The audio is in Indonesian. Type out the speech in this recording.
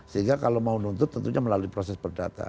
sehingga kalau mau nuntut tentunya melalui proses perdata